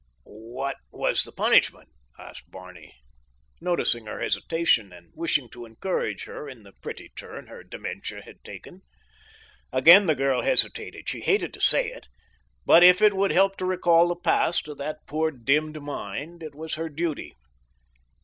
"What was the punishment?" asked Barney, noticing her hesitation and wishing to encourage her in the pretty turn her dementia had taken. Again the girl hesitated; she hated to say it, but if it would help to recall the past to that poor, dimmed mind, it was her duty.